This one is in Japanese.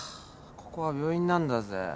ここは病院なんだぜ。